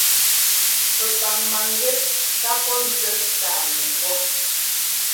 Pɛpaŋ mangɛ́ ká pɔ́ nzuɛ táʼ ŋu pɔ́.